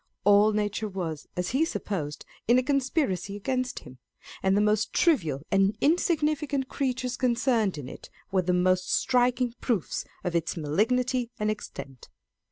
All nature was, as he supposed, in a conspiracy against him, and the most trivial and insignificant creatures con cerned in it were the most striking proofs of its malignity and extent.